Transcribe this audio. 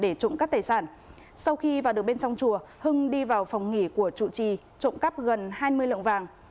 để trộm cắp tài sản sau khi vào được bên trong chùa hưng đi vào phòng nghỉ của trụ trì trộm cắp gần hai mươi lượng vàng